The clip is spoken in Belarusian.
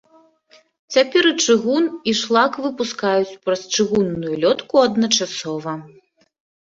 Цяпер і чыгун, і шлак выпускаюць праз чыгунную лётку адначасова.